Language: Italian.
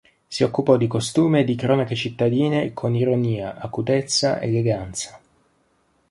Si occupò di costume e di cronache cittadine con ironia, acutezza, eleganza.